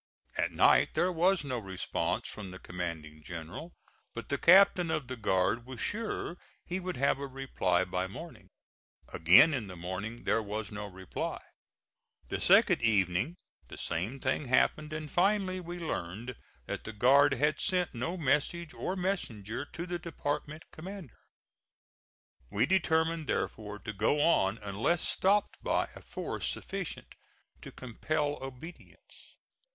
At night there was no response from the commanding general, but the captain of the guard was sure he would have a reply by morning. Again in the morning there was no reply. The second evening the same thing happened, and finally we learned that the guard had sent no message or messenger to the department commander. We determined therefore to go on unless stopped by a force sufficient to compel obedience.